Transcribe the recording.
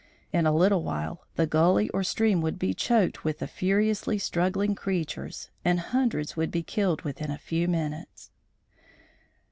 In a little while the gully or stream would be choked with the furiously struggling creatures and hundreds would be killed within a few minutes.